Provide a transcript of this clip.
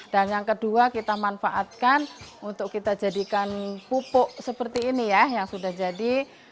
dan yang kedua kita manfaatkan untuk kita jadikan pupuk seperti ini ya yang sudah jadi